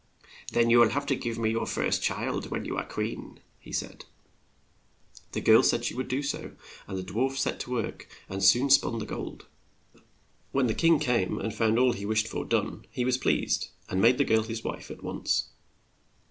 'Then you will have to give me your first child when you are queen," said he. RUMPELSTILTSK1N 17 RUMPELSTILTSKIN DANCING, The girl said she would do so, and the dwarf set to work and soon spun the gold. When the king came and found all he wished for done, he was pleased, and made the girl his wife at once.